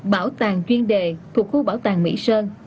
bảo tàng chuyên đề thuộc khu bảo tàng mỹ sơn